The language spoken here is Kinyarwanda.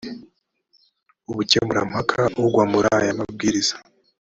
ubukemurampaka ugwa muri aya mabwiriza